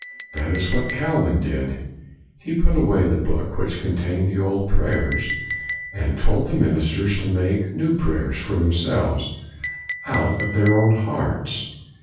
That is what Calvin did. He put away the book which contained the old prayers, and told the ministers to make new prayers for themselves, out of their own hearts.